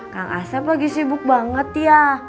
kang asep lagi sibuk banget ya